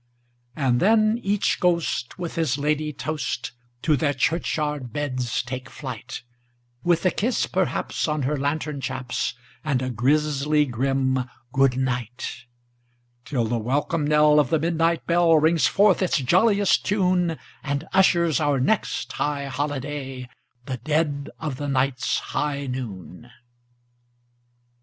And then each ghost with his ladye toast to their churchyard beds take flight, With a kiss, perhaps, on her lantern chaps, and a grisly grim "good night"; Till the welcome knell of the midnight bell rings forth its jolliest tune, And ushers our next high holiday—the dead of the night's high noon!